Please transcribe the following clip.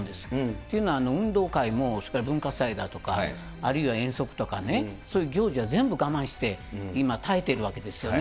というのは、運動会もそれから文化祭だとか、あるいは遠足とかね、そういう行事は全部我慢して、今、耐えているわけですよね。